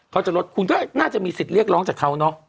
เขาจะลดคุณก็น่าจะมีสิทธิ์เรียกร้องจากเขาเนอะ